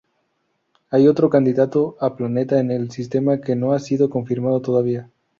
Hay otro candidato a planeta en el sistema que no ha sido confirmado todavía.